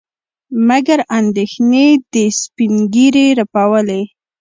مګر اندېښنې د سپينږيري رپولې.